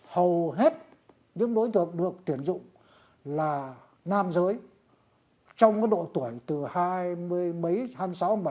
hầu hết những đối tượng được tuyển dụng là nam giới trong các độ tuổi từ hai mươi mấy tháng